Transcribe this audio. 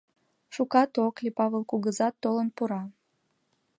Шукат ок лий, Павыл кугызат толын пура.